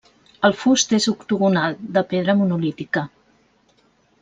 El fust és octogonal de pedra monolítica.